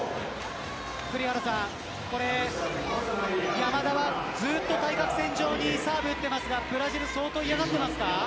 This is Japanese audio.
栗原さん山田はずっと対角線上にサーブを打っていますがブラジルは相当嫌がっていますか。